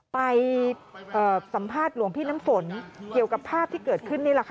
ไปสัมภาษณ์หลวงพี่น้ำฝนเกี่ยวกับภาพที่เกิดขึ้นนี่แหละค่ะ